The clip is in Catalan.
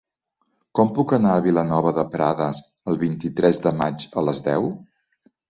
Com puc anar a Vilanova de Prades el vint-i-tres de maig a les deu?